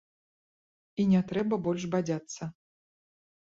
І не трэба больш бадзяцца.